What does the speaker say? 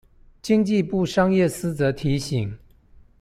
經濟部商業司則提醒